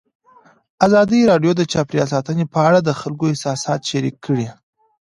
ازادي راډیو د چاپیریال ساتنه په اړه د خلکو احساسات شریک کړي.